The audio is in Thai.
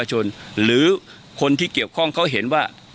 ชนหรือคนที่เกี่ยวข้องเขาเห็นว่า